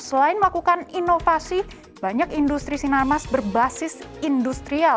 selain melakukan inovasi banyak industri sinarmas berbasis industrial